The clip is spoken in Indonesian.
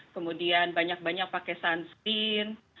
kemudian banyak banyak pakai sunscin